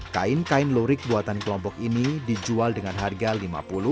kain kain lurik buatan kelompok ini dijual dengan harga lima puluh hingga tujuh puluh lima ribu rupiah per lembar